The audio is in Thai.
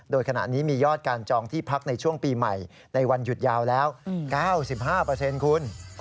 โดยขณะนี้มียอดการจองที่พักในช่วงปีใหม่ในวันหยุดยาวแล้ว๙๕คุณ